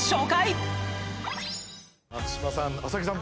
松嶋さん麻木さん